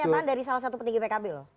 pernyataan dari salah satu petinggi pkb loh